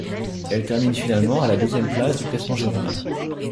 Elle termine finalement à la douzième place du classement général.